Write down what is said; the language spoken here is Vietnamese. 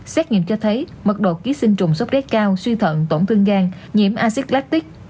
xét nghiệm cho thấy mật độ ký sinh trùng sốt rét cao suy thận tổn thương gan nhiễm acid lactic